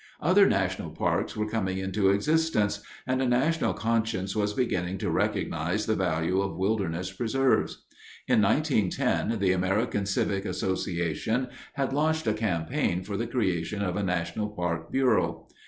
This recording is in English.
Other national parks were coming into existence, and a national conscience was beginning to recognize the value of wilderness preserves. In 1910 the American Civic Association had launched a campaign for the creation of a national park bureau.